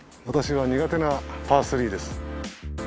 私は苦手なパー３です。